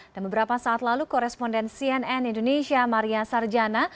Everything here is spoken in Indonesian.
dan beberapa saat lalu koresponden cnn indonesia maria sarjana